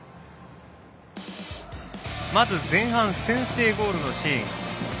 まず前半、先制ゴールのシーン。